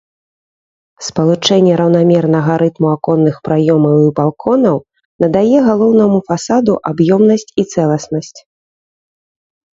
Спалучэнне раўнамернага рытму аконных праёмаў і балконаў надае галоўнаму фасаду аб'ёмнасць і цэласнасць.